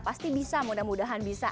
pasti bisa mudah mudahan bisa